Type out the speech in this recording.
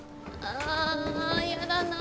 あやだな。